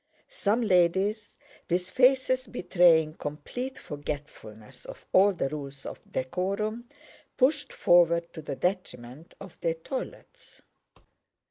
Some ladies, with faces betraying complete forgetfulness of all the rules of decorum, pushed forward to the detriment of their toilets.